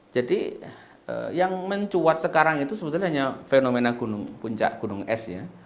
jadi yang mencuat sekarang itu sebenarnya hanya fenomena puncak gunung es